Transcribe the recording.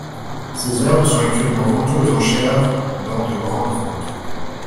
Ses œuvres sont actuellement vendues aux enchères dans de grandes ventes.